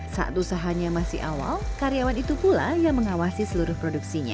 saat usahanya masih awal karyawan itu pula yang mengawasi seluruh produksinya